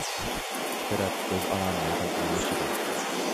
ئىككى تەرەپ ئۆز ئارا مەيدان ئالمىشىدۇ.